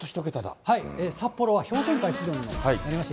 札幌は氷点下１度になりました。